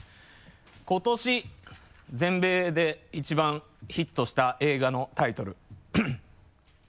今年全米で一番ヒットした映画のタイトル。